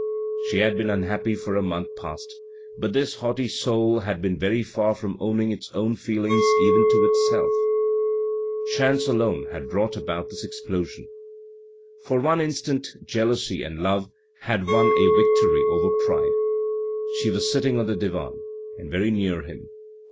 She had been unhappy for a month past, but this haughty soul had been very far from owning its own feelings even to itself. Chance alone had brought about this explosion. For one instant jealousy and love had won a 432 THE RED AND THE BLACK victory over pride. She was sitting on the divan, and very near him.